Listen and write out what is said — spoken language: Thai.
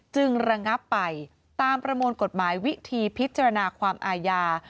ระงับไปตามประมวลกฎหมายวิธีพิจารณาความอาญา